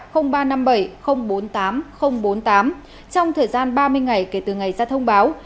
trong thời gian ba mươi ngày kể từ ngày ra thông báo